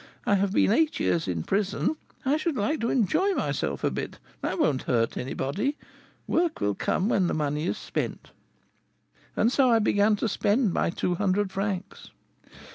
I have been eight years in prison, I should like to enjoy myself a bit, that won't hurt anybody; work will come when the money is spent.' And so I began to spend my two hundred francs.